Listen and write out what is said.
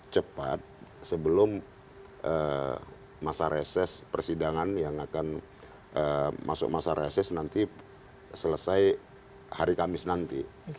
cepat sebelum masa reses persidangan yang akan masuk masa reses nanti selesai hari kamis nanti